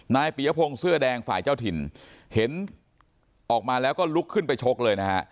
เปียพงศ์เสื้อแดงฝ่ายเจ้าถิ่นเห็นออกมาแล้วก็ลุกขึ้นไปชกเลยนะฮะ